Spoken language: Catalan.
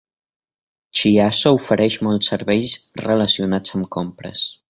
Chiasso ofereix molts serveis relacionats amb compres.